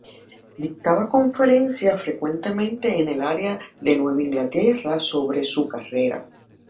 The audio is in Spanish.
Dictaba conferencias frecuentemente en el área de Nueva Inglaterra sobre su carrera.